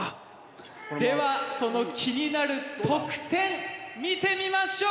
ではその気になる得点見てみましょう！